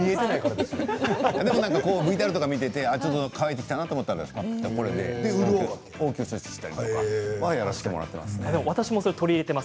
でもＶＴＲ見ていてちょっと乾いてきたなと思ったらこれで応急処置したりとか私も取り入れています。